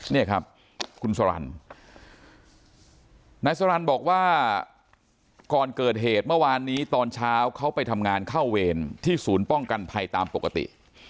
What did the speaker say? เนี่ยครับคุณสรรนายสรรค์บอกว่าก่อนเกิดเหตุเมื่อวานนี้ตอนเช้าเขาไปทำงานเข้าเวรที่ศูนย์ป้องกันภัยตามปกติ